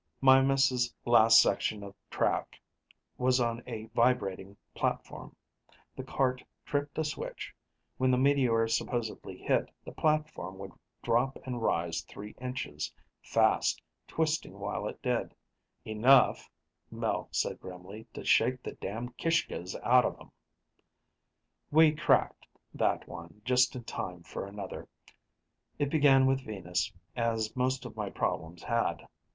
Mimas' last section of track was on a vibrating platform. The cart tripped a switch; when the meteor supposedly hit, the platform would drop and rise three inches, fast, twisting while it did "enough," Mel said grimly, "to shake the damned kishkas out of 'em!" We cracked that one, just in time for another. It began with Venus, as most of my problems had.